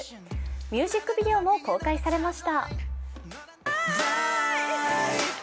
ミュージックビデオも公開されました。